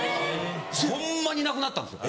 ホンマになくなったんですよ。